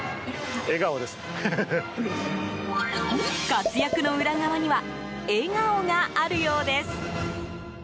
活躍の裏側には笑顔があるようです。